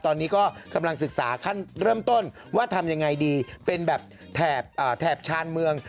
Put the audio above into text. ตอนนี้ก็กำลังศึกษาขั้นเริ่มต้นว่าทำยังไงดีเป็นแบบแถบชานเมือง